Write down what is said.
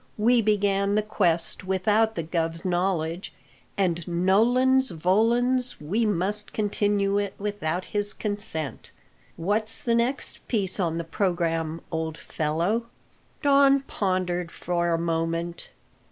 We began the quest without the guv's knowledge, and nolens volens we must continue it without his consent. What's the next piece on the programme, old fellow?" Don pondered for a moment.